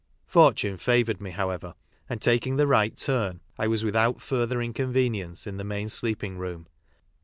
Fortune favoured me, how ever, and taking the right turn I was without further inconvenience in the main sleeping room.